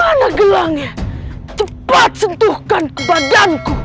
mana gelangnya cepat sentuhkan ke badanku